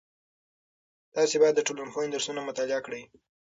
تاسې باید د ټولنپوهنې درسونه مطالعه کړئ.